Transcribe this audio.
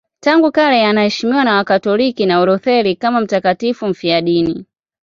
Tangu kale anaheshimiwa na Wakatoliki na Walutheri kama mtakatifu mfiadini.